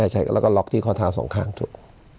ใช่แล้วก็ล็อกที่ข้อเท้าสองข้างจุด